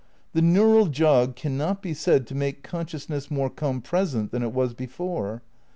The neural jog cannot be said to make consciousness more compresent than it was before.